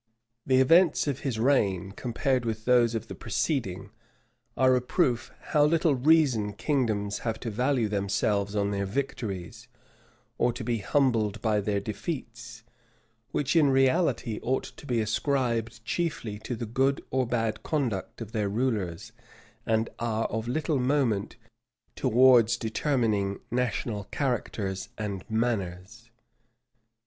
The events of his reign, compared with those of the preceding, are a proof how little reason kingdoms have to value themselves on their victories, or to be humbled by their defeats; which in reality ought to be ascribed chiefly to the good or bad conduct of their rulers, and are of little moment towards determining national characters and manners.